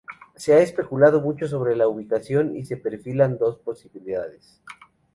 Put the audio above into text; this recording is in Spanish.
Se ha especulado mucho sobre la ubicación y se perfilan dos posibilidades.